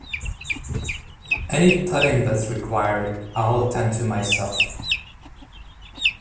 Any tutting that's required, I'll attend to myself.